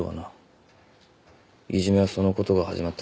いじめはそのことが始まったらしい。